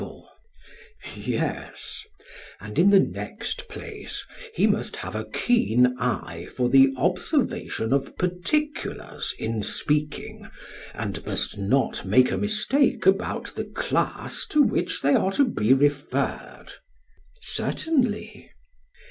SOCRATES: Yes; and in the next place he must have a keen eye for the observation of particulars in speaking, and not make a mistake about the class to which they are to be referred. PHAEDRUS: Certainly.